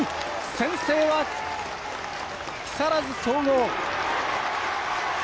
先制は木更津総合！